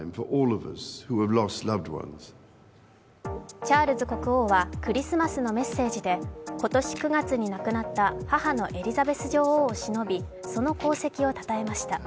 チャールズ国王はクリスマスのメッセージで、今年９月に亡くなった母のエリザベス女王をしのびその功績をたたえました。